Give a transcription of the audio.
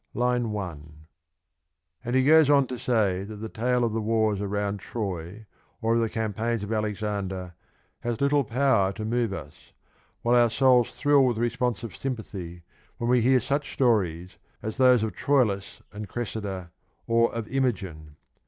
(II. 1) And he goes on to say that the tale of the wars around Troy or of the campaigns of Alexander has little power to move us, while our souls thrill with responsive sympathy when we hear such stories as those of Troilus and Cressida or of Imogen.